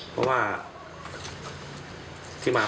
ใช่ครับ